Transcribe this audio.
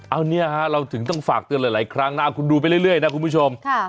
เอาเนี่ยฮะเราถึงต้องฝากเตือนหลายครั้งนะคุณดูไปเรื่อยนะคุณผู้ชม